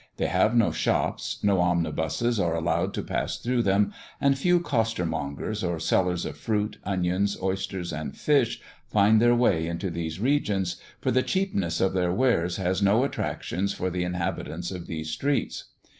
They have no shops; no omnibuses are allowed to pass through them, and few costermongers or sellers of fruit, onions, oysters, and fish find their way into these regions, for the cheapness of their wares has no attractions for the inhabitants of these streets.